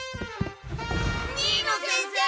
・新野先生！